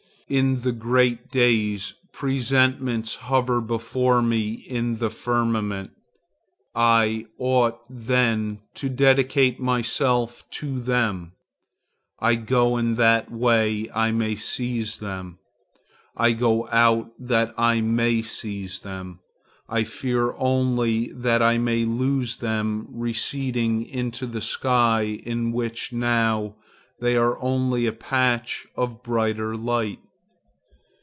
In the great days, presentiments hover before me in the firmament. I ought then to dedicate myself to them. I go in that I may seize them, I go out that I may seize them. I fear only that I may lose them receding into the sky in which now they are only a patch of brighter light.